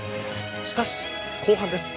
しかし後半です。